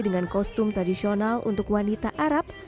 dengan kostum tradisional untuk wanita arab